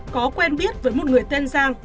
có quen biết với một người tên giang